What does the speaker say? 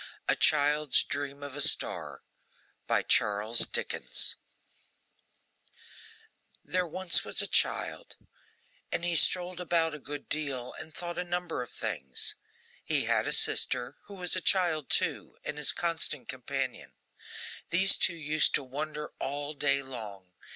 A CHILD'S DREAM OF A STAR THERE was once a child, and he strolled about a good deal, and thought of a number of things. He had a sister, who was a child too, and his constant companion. These two used to wonder all day long.